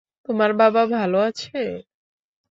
তোমার বাবা ভালো আছে?